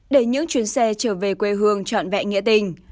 để những chuyến xe trở về quê hương trọn vẹn nghĩa tình